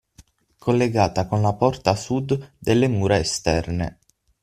Collegata con la porta Sud delle mura esterne.